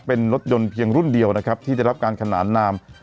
เป็นรถยนต์เพียงรุ่นเดียวนะครับที่ได้รับการขนานนาม